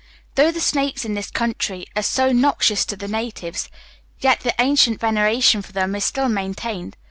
Though the snakes in this country are so noxious to the natives, yet the ancient veneration for them is still maintained.